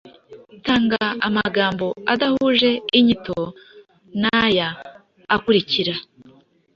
Tanga amagambo adahuje inyito n’aya akurikira: